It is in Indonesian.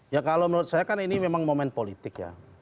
ya kalau menurut saya kan ini memang momen politik ya